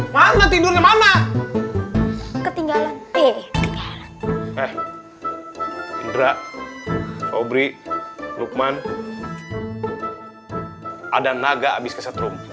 mana tidurnya mana ketinggalan eh indra obrik luqman ada naga habis